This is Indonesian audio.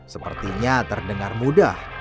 sepertinya terdengar mudah